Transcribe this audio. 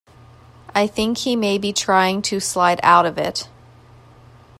I think he may be trying to slide out of it.